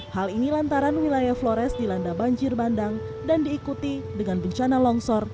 hal ini lantaran wilayah flores dilanda banjir bandang dan diikuti dengan bencana longsor